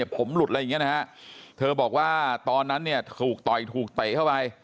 ผมหลุดอะไรอย่างนี้นะฮะเธอบอกว่าตอนนั้นเนี่ยถูกต่อยถูกเตะเข้าไป